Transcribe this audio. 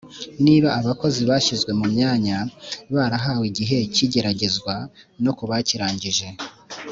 Niba abakozi bashyizwe mu myanya barahawe igihe cy igeragezwa no kubakirangije